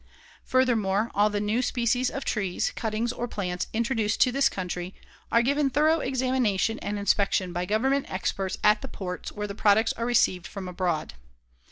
Furthermore, all the new species of trees, cuttings or plants introduced to this country are given thorough examination and inspection by government experts at the ports where the products are received from abroad.